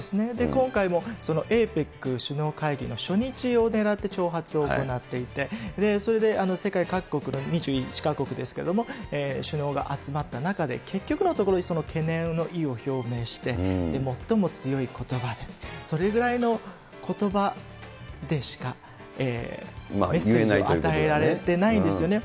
今回もＡＰＥＣ首脳会議の初日を狙って挑発を行っていて、それで、世界各国の２１か国ですけれども、首脳が集まった中で、結局のところ、懸念の意を表明して、最も強いことばで、それぐらいのことばでしか、メッセージを与えられてないんですよね。